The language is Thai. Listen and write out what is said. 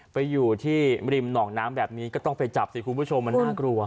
ไปอยู่ที่ริมหนองน้ำแบบนี้ก็ต้องไปจับสิคุณผู้ชมมันน่ากลัว